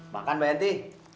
makan mbak yanti